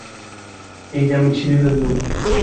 এই আমি ছিঁড়ে ফেললুম।